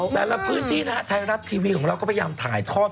แต่ละพื้นที่นะฮะไทยรัฐทีวีของเราก็พยายามถ่ายทอด